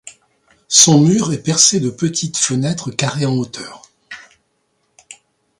Son mur est percé de petites fenêtres carrées en hauteur.